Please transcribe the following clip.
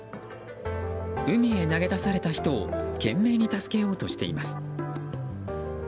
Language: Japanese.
海へ投げ出された人を懸命に助けようとしています。